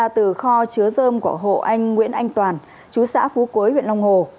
từ kho chứa dơm của hộ anh nguyễn anh toàn chú xã phú quế huyện long hồ